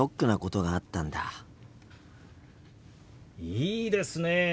いいですねえ。